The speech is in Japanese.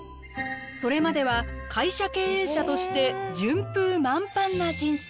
それまでは会社経営者として順風満帆な人生。